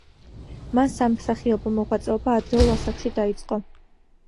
მან სამსახიობო მოღვაწეობა ადრეულ ასაკში დაიწყო.